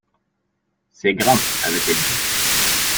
C'est grand ! avait-elle dit.